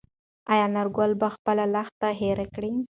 ایا انارګل به خپله لښته هېره کړي؟